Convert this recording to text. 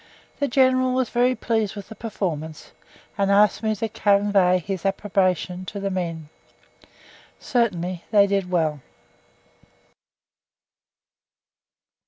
The General was very pleased with the performance, and asked me to convey his approbation to the men. Certainly they did well.